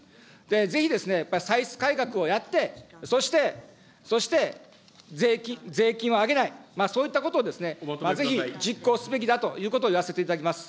ぜひですね、やっぱり歳出改革をやって、そして、そして、税金を上げない、そういったことをですね、ぜひ実行すべきだということを言わせていただきます。